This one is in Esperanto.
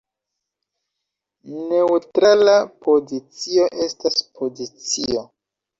Neǔtrala pozicio estas pozicio.